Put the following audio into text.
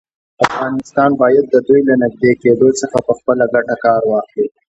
افغانستان باید د دوی له نږدې کېدو څخه په خپله ګټه کار واخلي.